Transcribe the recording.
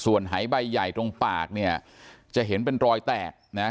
ส่วนหายใบใหญ่ตรงปากเนี่ยจะเห็นเป็นรอยแตกนะฮะ